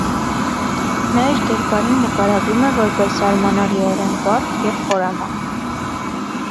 Նա իր կերպարին նկարագրում է որպես «զարմանալիորեն բարդ և խորամանկ»։